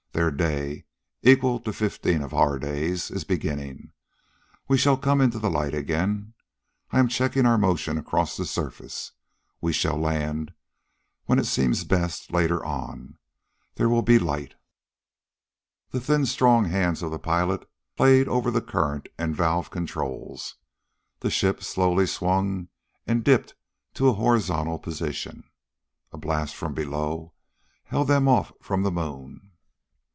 Their day, equal to fifteen of our days, is beginning. We shall come into the light again. I am checking our motion across the surface. We shall land, when it seems best, later on. There will be light." The thin strong hands of the pilot played over the current and valve controls. Their ship slowly swung and dipped to a horizontal position. A blast from below held them off from the moon.